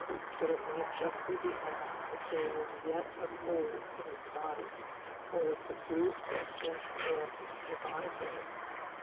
But it might justly be asked if there were yet a soul in this body, or if the brute instinct alone survived in it!